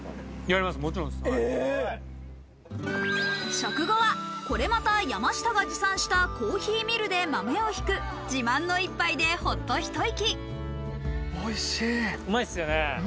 食後は、これまた山下が持参したコーヒーミルで豆をひく自慢の一杯でほっとひと息。